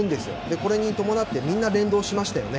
これに伴ってみんな連動しましたよね。